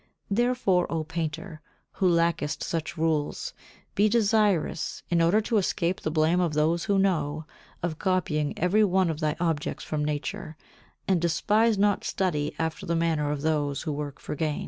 Therefore, O painter, who lackest such rules, be desirous, in order to escape the blame of those who know, of copying every one of thy objects from nature, and despise not study after the manner of those who work for gain.